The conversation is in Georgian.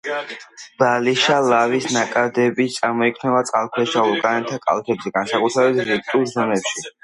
ბალიშა ლავის ნაკადები წარმოიქმნება წყალქვეშა ვულკანების კალთებზე, განსაკუთრებით რიფტულ ზონებში.